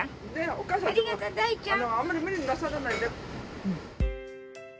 お母さんあんまり無理なさらないで。